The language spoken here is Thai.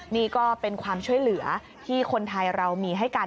นี่ก็เป็นความช่วยเหลือที่คนไทยเรามีให้กัน